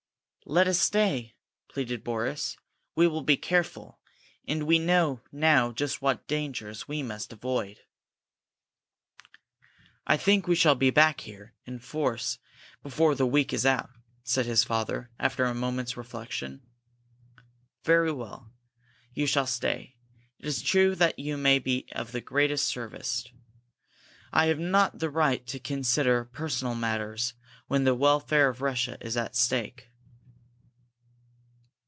"Let us stay!" pleaded Boris. "We will be careful, and we know now just what dangers we must avoid." "I think we shall be back here, in force, before the week is out," said his father, after a moment's reflection. "Very well, you shall stay! It is true that you may be of the greatest service. I have not the right to consider personal matters when the welfare of Russia is at stake."